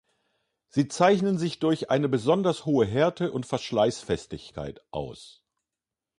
Sie zeichnen sich durch eine besonders hohe Härte und Verschleißfestigkeit aus.